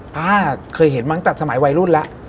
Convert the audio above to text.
ป๊าเคยเห็นมั้งจากสมัยวัยรุ่นแล้ว